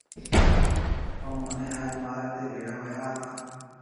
او مهوني آج مارگ تي ڀيڙا هويا تا۔